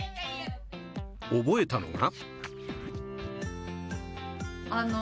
覚えたのが。